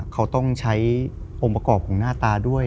เขาต้องใช้องค์ประกอบของหน้าตาด้วย